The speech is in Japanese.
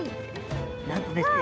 なんとですね